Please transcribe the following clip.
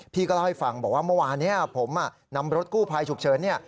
เล่าให้ฟังบอกว่าเมื่อวานนี้ผมนำรถกู้ภัยฉุกเฉิน